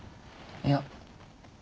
いや。